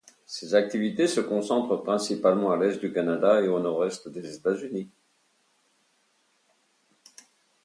Ses activités se concentrent principalement à l’est du Canada et au nord-est des États-Unis.